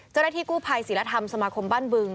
เจ้าหน้าที่กู้ภัยศิลธรรมสมาคมบ้านบึง